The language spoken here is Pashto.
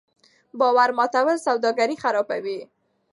باور ماتول سوداګري خرابوي.